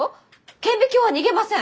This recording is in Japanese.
顕微鏡は逃げません！